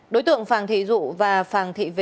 đối tượng phàng thị dụ và phàng thị vế